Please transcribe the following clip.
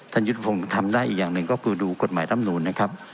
ยุทธพงศ์ทำได้อีกอย่างหนึ่งก็คือดูกฎหมายร่ำนูนนะครับ